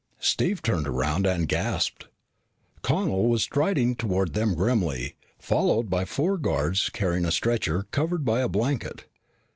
Steve turned around and gasped. Connel was striding toward them grimly, followed by four guards carrying a stretcher covered by a blanket.